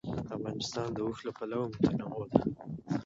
افغانستان د اوښ له پلوه متنوع دی.